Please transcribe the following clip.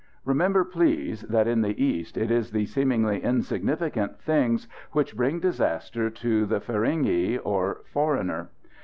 Remember, please, that in the East it is the seemingly insignificant things which bring disaster to the feringhee, or foreigner.